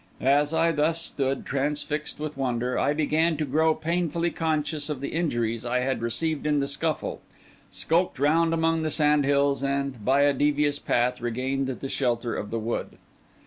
As I thus stood, transfixed with wonder, I began to grow painfully conscious of the injuries I had received in the scuffle; skulked round among the sand hills; and, by a devious path, regained the shelter of the wood.